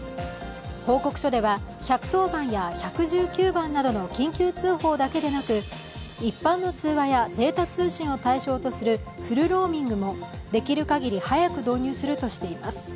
報告書では１１０番や１１９番などの緊急通報だけでなく一般の通話やデータ通信を対象とするフルローミングもできる限り早く導入するとしています。